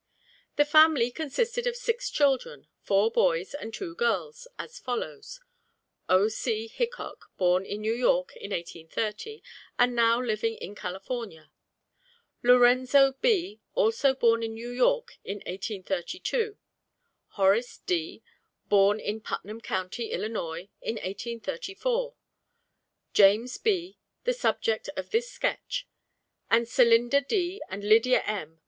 The family consisted of six children, four boys and two girls, as follows: O. C. Hickok, born in New York in 1830, and now living in California; Lorenzo B., also born in New York in 1832; Horace D., born in Putnam county, Illinois, in 1834; James B., the subject of this sketch; and Celinda D. and Lydia M.